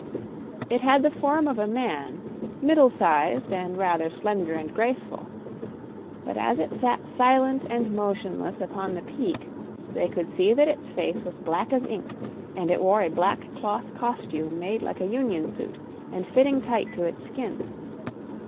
It had the form of a man, middle sized and rather slender and graceful; but as it sat silent and motionless upon the peak they could see that its face was black as ink, and it wore a black cloth costume made like a union suit and fitting tight to its skin.